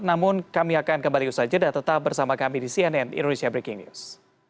namun kami akan kembali usaha jeda tetap bersama kami di cnn indonesia breaking news